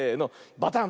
バタン。